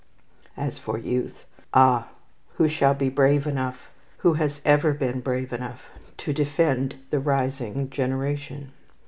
As for youth, ah, who shall be brave enough, who has ever been brave enough, to defend the rising generation?